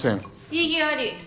異議あり！